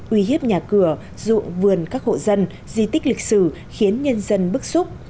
uy hiếp nhà cửa ruộng vườn các hộ dân di tích lịch sử khiến nhân dân bức xúc